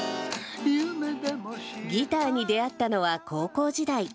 ギターに出会ったのは高校時代。